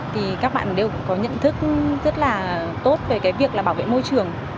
thì các bạn đều có nhận thức rất là tốt về việc bảo vệ môi trường